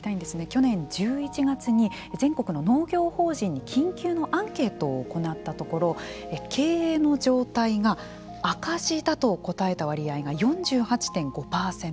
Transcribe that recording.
去年１１月に全国の農業法人に緊急のアンケートを行ったところ経営の状態が赤字だと答えた割合が４８．５％。